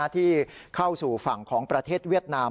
ที่เข้าสู่ฝั่งของประเทศเวียดนาม